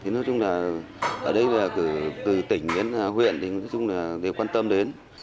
nói chung là ở đây từ tỉnh đến huyện nói chung là đều quan tâm đến